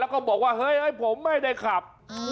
แล้วก็บอกว่าเฮ้ยผมไม่ได้ขับ